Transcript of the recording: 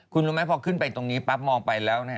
คุณรู้มั้ยพอขึ้นไปตรงนี้ปั๊บมองไปแล้วเนี่ย